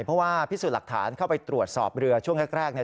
เพราะว่าพิสูจน์หลักฐานเข้าไปตรวจสอบเรือช่วงแรกเนี่ย